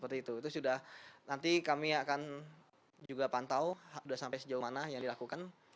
itu sudah nanti kami akan juga pantau sudah sampai sejauh mana yang dilakukan